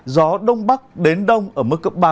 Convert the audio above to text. gió đông bắc đến đông ở mức cấp ba